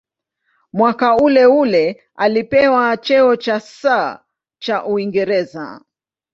Mwaka uleule alipewa cheo cha "Sir" cha Uingereza.